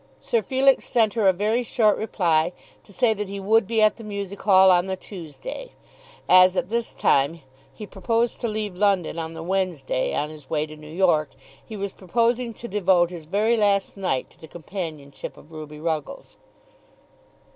Sir Felix sent her a very short reply to say that he would be at the Music Hall on the Tuesday. As at this time he proposed to leave London on the Wednesday on his way to New York, he was proposing to devote his very last night to the companionship of Ruby Ruggles.